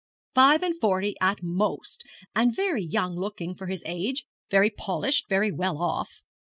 'Five and forty at most, and very young looking for his age; very polished, very well off.